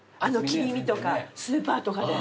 切り身とかスーパーとかで。